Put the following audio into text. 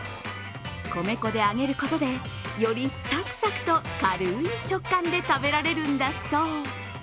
米粉で揚げることで、よりサクサクと軽い食感で食べられるんだそう。